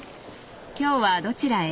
今日はどちらへ？